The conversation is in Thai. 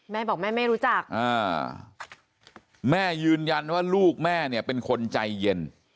แม่บอกแม่ไม่รู้จักแม่ยืนยันว่าลูกแม่เนี่ยเป็นคนใจเย็น